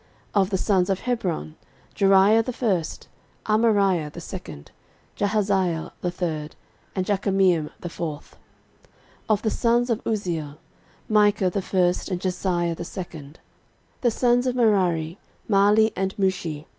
13:023:019 Of the sons of Hebron; Jeriah the first, Amariah the second, Jahaziel the third, and Jekameam the fourth. 13:023:020 Of the sons of Uzziel; Micah the first and Jesiah the second. 13:023:021 The sons of Merari; Mahli, and Mushi.